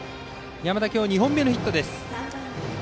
山田は今日２本目のヒット。